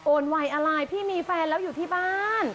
วัยอะไรพี่มีแฟนแล้วอยู่ที่บ้าน